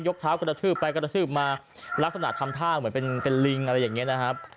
ยกเท้ากระดาภือไปมาลักษณะทำท่าเหมือนเป็นเป็นลิงอะไรอย่างเงี้ยนะครับ